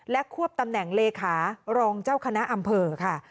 ควบตำแหน่งเลขารองเจ้าคณะอำเภอค่ะ